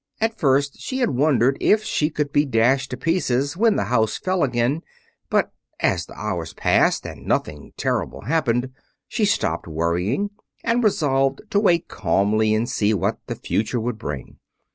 At first she had wondered if she would be dashed to pieces when the house fell again; but as the hours passed and nothing terrible happened, she stopped worrying and resolved to wait calmly and see what the future would bring.